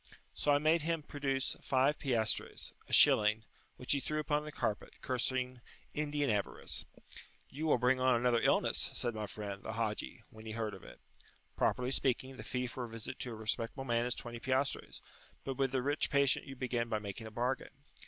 So I made him produce five piastres, a shilling, which he threw upon the carpet, cursing Indian avarice. "You will bring on [p.54]another illness," said my friend, the Haji, when he heard of it. Properly speaking, the fee for a visit to a respectable man is 20 piastres, but with the rich patient you begin by making a bargain.